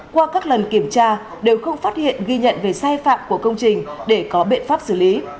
qua các lần kiểm tra đều không phát hiện ghi nhận về sai phạm của công trình để có biện pháp xử lý